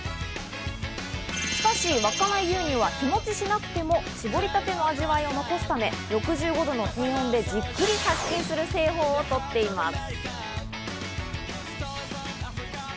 しかし稚内牛乳は日持ちしなくても、搾りたての味わいを残すため、６５度の低温でじっくり殺菌する製法を取っています。